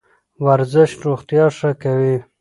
ورزش روغتیا ښه کوي.